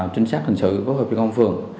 chính xác hình sự của hợp trí công phường